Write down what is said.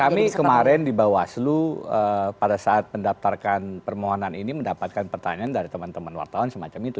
kami kemarin di bawaslu pada saat mendaftarkan permohonan ini mendapatkan pertanyaan dari teman teman wartawan semacam itu